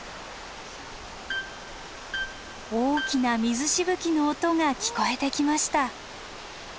大きな水しぶきの音が聞こえてきました。